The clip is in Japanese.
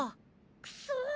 クソ！